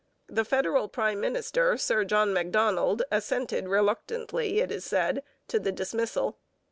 The federal prime minister, Sir John Macdonald, assented reluctantly, it is said, to the dismissal.